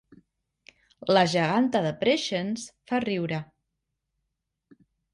La geganta de Preixens fa riure